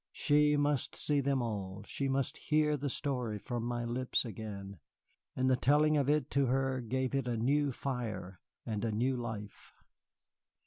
She must see them all, she must hear the story from my lips again; and the telling of it to her gave it a new fire and a new life.